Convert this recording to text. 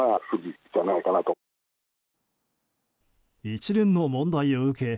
一連の問題を受け